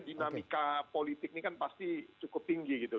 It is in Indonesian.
dinamika politik ini kan pasti cukup tinggi gitu